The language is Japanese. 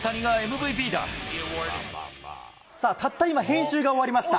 さあ、たった今、編集が終わりました。